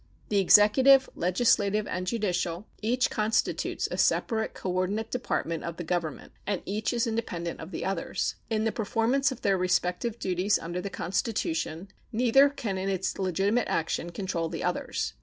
The executive, legislative, and judicial each constitutes a separate coordinate department of the Government, and each is independent of the others. In the performance of their respective duties under the Constitution neither can in its legitimate action control the others.